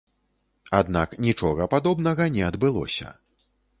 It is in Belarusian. Аднак нічога падобнага не адбылося.